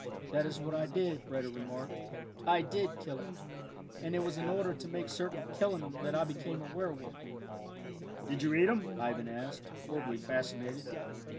"That is what I did," Breda remarked; "I did kill him, and it was in order to make certain of killing him that I became a werwolf." "Did you eat him?" Ivan asked, horribly fascinated.